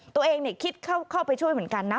คิดเข้าไปช่วยเหมือนกันนะ